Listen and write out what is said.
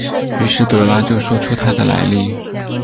于是德拉就说出他的来历。